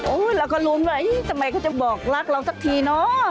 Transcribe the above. โอ๊ยแล้วก็รู้ไหมทำไมเขาจะบอกรักเราสักทีเนอะ